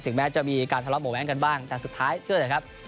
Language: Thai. ถึงแม้จะมีการทะเลาะหมวงแม้งกันบ้างแต่สุดท้ายเชื่อใจครับ